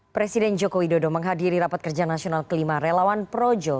presiden jokowi dodo menghadiri rapat kerja nasional ke lima relawan projo